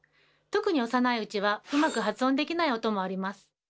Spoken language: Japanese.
特に幼いうちはうまく発音できない音もあります。